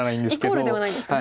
イコールではないんですね。